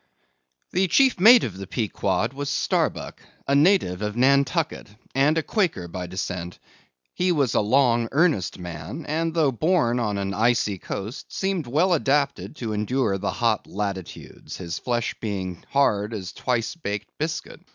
The chief mate of the Pequod was Starbuck, a native of Nantucket, and a Quaker by descent. He was a long, earnest man, and though born on an icy coast, seemed well adapted to endure hot latitudes, his flesh being hard as twice baked biscuit.